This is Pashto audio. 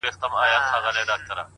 هوښیار انسان له هر چا څه زده کوي،